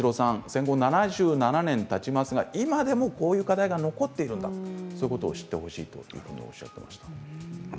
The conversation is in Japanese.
戦後７７年たちますが今でも、こういう課題が残っているんだということを知ってほしいとおっしゃっていました。